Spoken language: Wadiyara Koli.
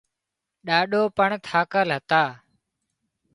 ڏاڏو پڻ ٿاڪل هتا